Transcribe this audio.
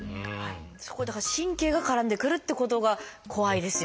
そこにだから神経が絡んでくるっていうことが怖いですよね。